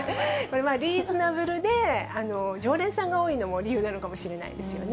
リーズナブルで常連さんが多いのも理由なのかもしれないですよね。